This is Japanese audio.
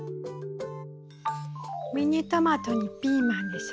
ミニトマトにピーマンでしょ。